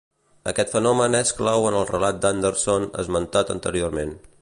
Aquest fenomen és clau en el relat d'Anderson esmentat anteriorment.